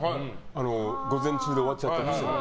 午前中で終わったとしても。